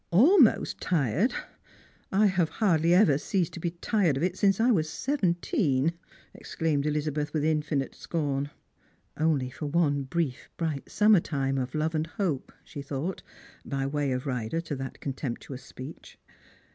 " Almost tired ! I hnve hardly ever ceased to be tired of it eince I was seventeen," exclaimed Elizabeth with infinite scorn. " Only for one brief bright summer time of love and hope," she thought, by way of rider to that contemptuous speech.